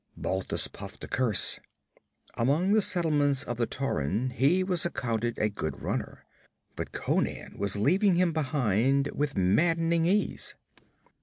Balthus puffed a curse. Among the settlements of the Tauran he was accounted a good runner, but Conan was leaving him behind with maddening ease.